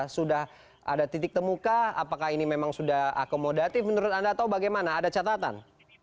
sudah ada titik temukah apakah ini memang sudah akomodatif menurut anda atau bagaimana ada catatan